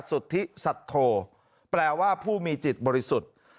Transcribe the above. สุทธิสัทโทแปลว่าผู้มีจิตบริสุทธิ์